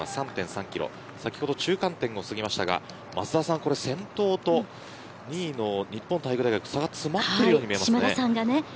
先ほど中間点を過ぎましたが先頭と２位の日本体育大学は差が詰まっているように見えます。